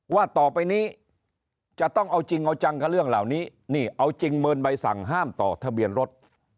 ว่าต่อไปนี้จะต้องเอาจริงเอาจังกับเรื่องเหล่านี้นี่เอาจริงเมินใบสั่งห้ามต่อทะเบียนรถ